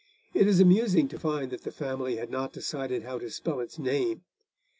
It is amusing to find that the family had not decided how to spell its name.